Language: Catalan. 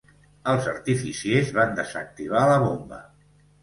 Els artificiers van desactivar la bomba.